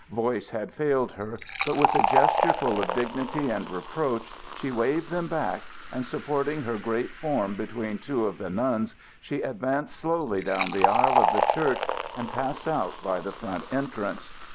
Voice had failed her, but with a gesture full of dignity and reproach she waved them back, and supporting her great form between two of the nuns, she advanced slowly down the aisle of the church and passed out by the front entrance.